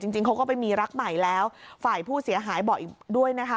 จริงเขาก็ไปมีรักใหม่แล้วฝ่ายผู้เสียหายบอกอีกด้วยนะคะ